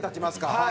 はい。